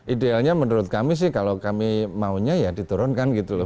idealnya menurut kami sih kalau kami maunya ya diturunkan gitu loh